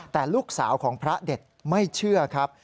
แต่ลูกสาวของพระเด็ดไม่เชื่อครับ